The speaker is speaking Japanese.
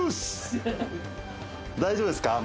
大丈夫ですか？